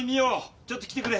ちょっと来てくれ。